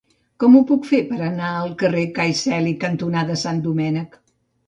Com ho puc fer per anar al carrer Cai Celi cantonada Sant Domènec?